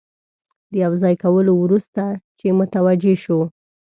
د یو ځای کولو وروسته چې متوجه شو.